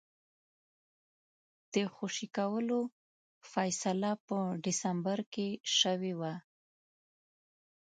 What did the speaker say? د خوشي کولو فیصله په ډسمبر کې شوې وه.